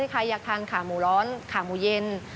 ใครอยากทานขาหมูร้อนขาหมูเย็น